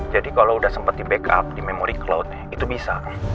jadi kalo udah sempet di backup di memory cloud itu bisa